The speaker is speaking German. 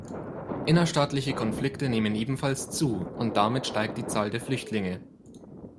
Innerstaatliche Konflikte nehmen ebenfalls zu, und damit steigt die Zahl der Flüchtlinge.